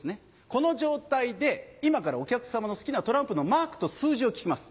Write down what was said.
この状態で今からお客さまの好きなトランプのマークと数字を聞きます。